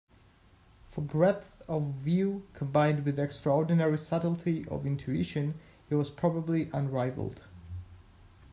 For breadth of view, combined with extraordinary subtlety of intuition, he was probably unrivalled.